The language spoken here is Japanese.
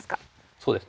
そうですね。